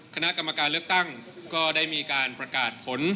คณะกรรมการเลือกตั้งก็ได้มีการประกาศผล